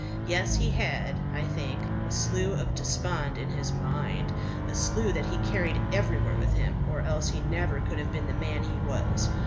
"Yes, he had, I think, a slough of despond in his mind, a slough that he carried everywhere with him, or else he never could have been the man he was."